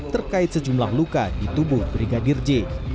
terkait sejumlah luka di tubuh brigadir j